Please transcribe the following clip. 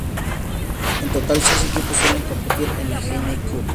En total, seis equipos suelen competir en la Heineken Cup.